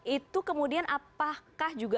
itu kemudian apakah juga